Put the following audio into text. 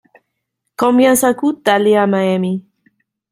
Combien ça coûte d’aller à Miami ?